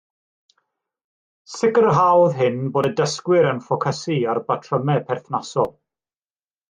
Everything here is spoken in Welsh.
Sicrhaodd hyn bod y dysgwyr yn ffocysu ar batrymau perthnasol